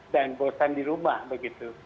dan bosan di rumah begitu